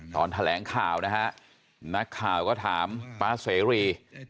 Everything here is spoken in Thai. ตอนแถลงข่าวนะฮะนักข่าวก็ถามป๊าเสรี